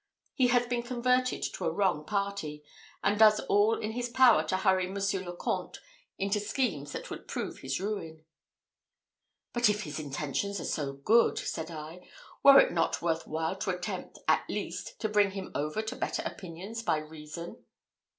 He has been converted to a wrong party, and does all in his power to hurry Monsieur le Comte into schemes that would prove his ruin." "But if his intentions are so good," said I, "were it not worth while to attempt, at least, to bring him over to better opinions by reason?"